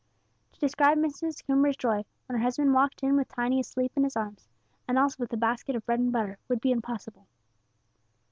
To describe Mrs. Coomber's joy, when her husband walked in with Tiny asleep in his arms, and also with the basket of bread and butter, would be impossible.